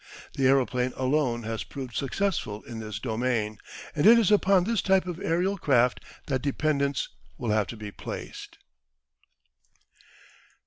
The aeroplane alone has proved successful in this domain, and it is upon this type of aerial craft that dependence will have to be placed.